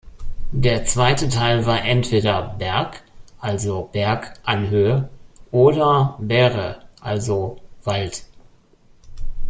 Der zweite Teil war entweder "-berg", also "Berg, Anhöhe" oder "-bere", also "Wald".